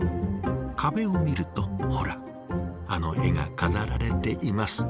壁を見るとほらあの絵が飾られています。